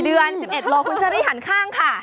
เดือน๑๑โลคุณเชอรี่หันข้างค่ะ